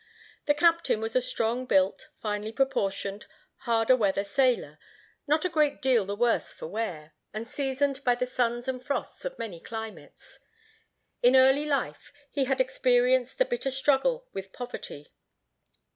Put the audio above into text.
The captain was a strong built, finely proportioned, "hard a weather" sailor, not a great deal the worse for wear, and seasoned by the suns and frosts of many climates. In early life he had experienced the bitter struggle with poverty.